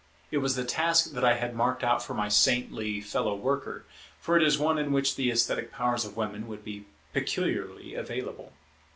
It was the task that I had marked out for my saintly fellow worker, for it is one in which the esthetic powers of women would be peculiarly available.